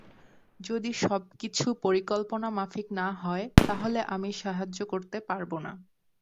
যদি সবকিছু পরিকল্পনা মাফিক না হয়, তাহলে আমি সাহায্য করতে পারব না।